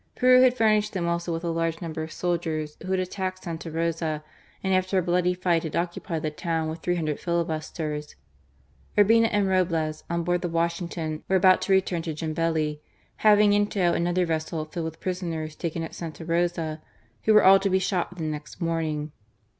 Peru had fur nished them also with a large number of soldiers, who had attacked Santa Rosa and after a bloody fight had occupied the town with three hundred filibusters. Urbina and Roblez, on board the Washington, were about to return to Jambeli, having in tow another vessel filled with prisoners taken at THE FIGHT OF J AM BELL 163 Santa Rosa, who were all to be shot the next morn ing.